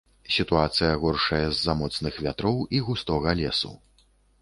Сітуацыя горшае з-за моцных вятроў і густога лесу.